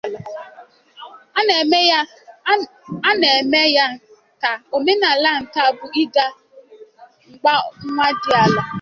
a na-eme ya ka omenala nke bụ ịga mgba nwadiala.